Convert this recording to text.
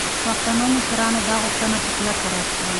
پښتنو مشرانو دا غوښتنه په کلکه رد کړه.